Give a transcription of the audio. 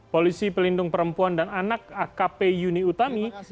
polisi pelindung perempuan dan anak akp yuni utami